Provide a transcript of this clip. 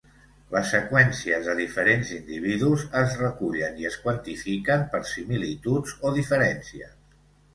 Les seqüències de diferents individus es recullen i es quantifiquen per similituds o diferències.